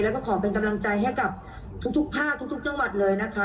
แล้วก็ขอเป็นกำลังใจให้กับทุกภาคทุกจังหวัดเลยนะคะ